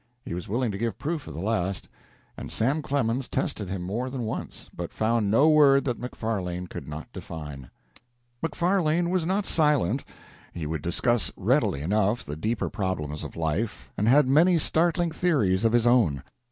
He was willing to give proof of the last, and Sam Clemens tested him more than once, but found no word that Macfarlane could not define. Macfarlane was not silent he would discuss readily enough the deeper problems of life and had many startling theories of his own.